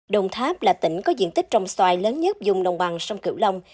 đồng tháp là tỉnh có diện tích trồng xoài lớn nhất dùng nồng bằng sông cựu long